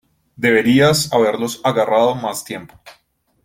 Deberías haberlos agarrado más tiempo.